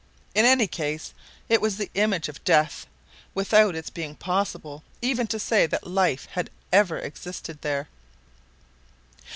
In any case it was the image of death, without its being possible even to say that life had ever existed there.